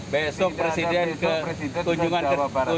besok presiden ke jawa barat